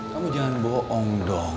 kamu jangan bohong dong